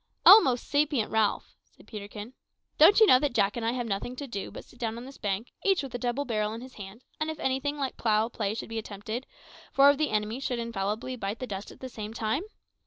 "O most sapient Ralph," said Peterkin, "don't you know that Jack and I have nothing to do but sit down on this bank, each with a double barrel in his hand, and if anything like foul play should be attempted, four of the enemy should infallibly bite the dust at the same time?